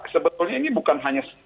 sebetulnya ini bukan hanya